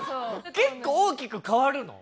結構大きく変わるの？